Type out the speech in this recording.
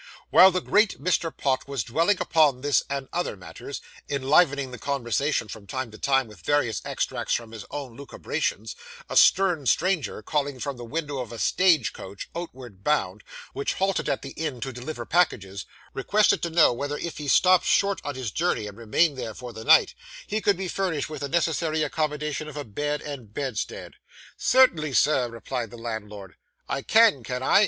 While the great Mr. Pott was dwelling upon this and other matters, enlivening the conversation from time to time with various extracts from his own lucubrations, a stern stranger, calling from the window of a stage coach, outward bound, which halted at the inn to deliver packages, requested to know whether if he stopped short on his journey and remained there for the night, he could be furnished with the necessary accommodation of a bed and bedstead. 'Certainly, sir,' replied the landlord. 'I can, can I?